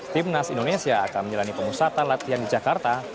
tim nasional indonesia akan menjalani pengusahaan latihan di jakarta